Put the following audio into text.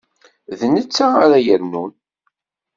D netta ara yernun.